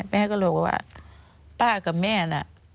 แม่ก็เลยบอกว่าป้ากับแม่น่ะ